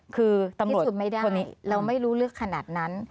คือตำรวจคนนี้พิสูจน์ไม่ได้เราไม่รู้เรื่องขนาดนั้น